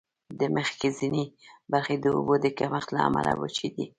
د مځکې ځینې برخې د اوبو د کمښت له امله وچې دي.